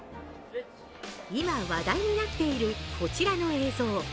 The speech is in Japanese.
今、話題になっているこちらの映像。